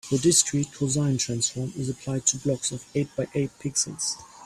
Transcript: The discrete cosine transform is applied to blocks of eight by eight pixels.